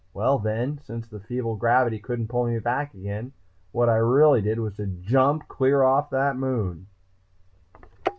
"Well, then, since the feeble gravity couldn't pull me back again, what I really did was to jump clear off that moon."